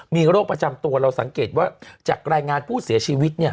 มีโรคประจำตัวเราสังเกตว่าจากรายงานผู้เสียชีวิตเนี่ย